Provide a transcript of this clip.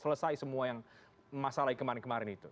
selesai semua yang masalah kemarin kemarin itu